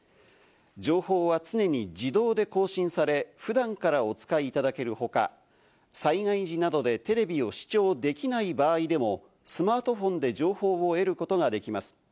情報は常に自動で更新され、普段からお使いいただける他、災害時などでテレビを視聴できない場合でも、スマートフォンで情報を得ることができます。